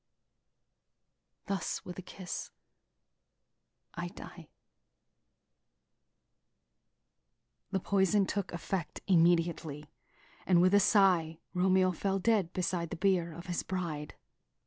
... Thus with a kiss I die!" The poison took effect immediately; and with a sigh, Romeo fell dead beside the bier of his bride.